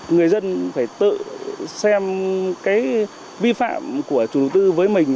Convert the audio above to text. người dân phải tự xem cái vi phạm của chủ tư với mình